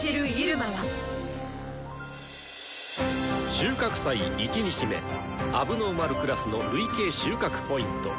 収穫祭１日目問題児クラスの累計収穫ポイント。